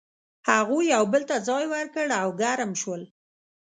هغوی یو بل ته ځای ورکړ او ګرم شول.